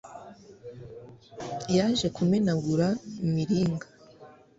yaje kumenagura imiringa